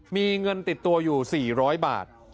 มีเงินติดตัวอยู่๔๐๐บาท